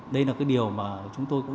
đây là cái điều mà chúng tôi cũng